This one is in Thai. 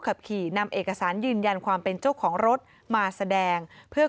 ขับขี่นำเอกสารยืนยันความเป็นเจ้าของรถมาแสดงเพื่อ